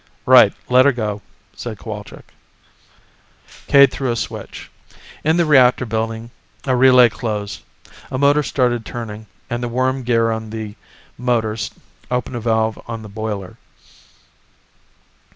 "Right, let her go," said Cowalczk. Cade threw a switch. In the reactor building, a relay closed. A motor started turning, and the worm gear on the motor opened a valve on the boiler.